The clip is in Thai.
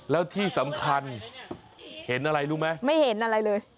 แล้วที่สำคัญเห็นอะไรรู้ไหมไม่เห็นอะไรเลย